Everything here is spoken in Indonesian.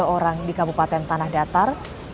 dua orang di kabupaten tanah datar